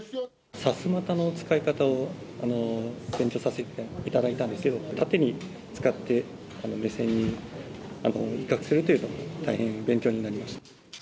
さすまたの使い方を勉強させていただいたんですけど、縦に使って、目線に威嚇するというのが、大変勉強になりました。